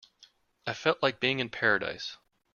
I felt like being in paradise.